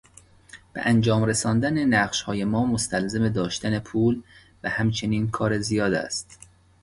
به انجام رساندن نقشههای ما مستلزم داشتن پول و همچنین کار زیاد است.